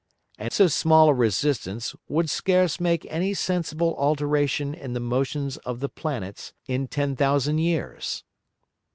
And so small a resistance would scarce make any sensible alteration in the Motions of the Planets in ten thousand Years.